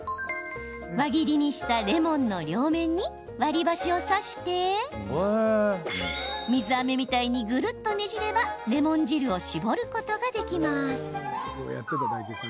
輪切りにしたレモンの両面に割り箸を挿して水あめみたいにぐるっとねじればレモン汁を搾ることができます。